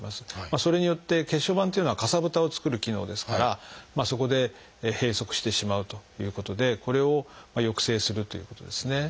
それによって血小板というのはかさぶたを作る機能ですからそこで閉塞してしまうということでこれを抑制するということですね。